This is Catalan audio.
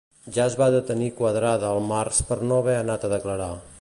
Ja es va detenir Quadrada al març per no haver anat a declarar.